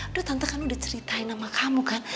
udah tante kan udah ceritain sama kamu kan